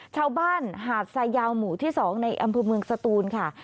หาดทรายยาวหมู่ที่๒ในอำเภอเมืองสตูนค่ะ